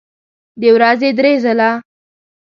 د ورځې درې ځله